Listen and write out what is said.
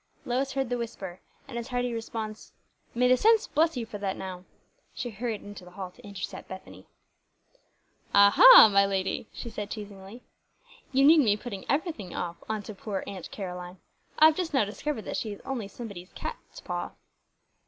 Lois heard the whisper, and his hearty response, "May the saints bless you for that now!" She hurried into the hall to intercept Bethany. "Ah ha, my lady," she said teasingly, "you needn't be putting everything off onto poor Aunt Caroline. I've just now discovered that she is only somebody's cat's paw."